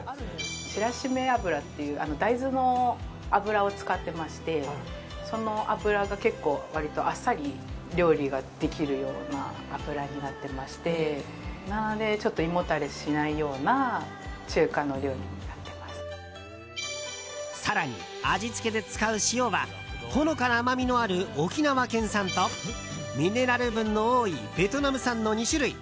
白鮫油っていう大豆の油を使ってましてその油が結構割とあっさり料理ができるような油になってましてなので胃もたれしないような更に、味付けで使う塩はほのかな甘みのある沖縄県産とミネラル分の多いベトナム産の２種類。